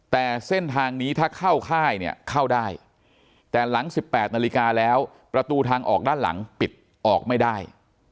แต่เส้นทางนี้ถ้าเข้าค่ายเนี่ยเข้าได้แต่หลัง๑๘นาฬิกาแล้วประตูทางออกด้านหลังปิดออกไม่ได้